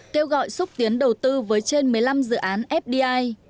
kêu gọi xúc tiến đầu tư với trên một mươi năm dự án fdi